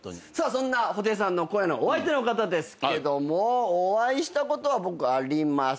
そんな布袋さんの今夜のお相手の方ですけどもお会いしたことは僕ありますかね。